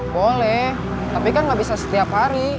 boleh tapi kan gak bisa setiap hari